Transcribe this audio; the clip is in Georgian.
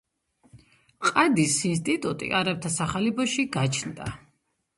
ყადის ინსტიტუტი არაბთა სახალიფოში გაჩნდა.